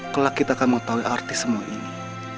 kalau kita akan mengetahui arti semua ini